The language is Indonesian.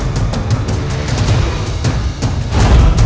di mana kian santang berada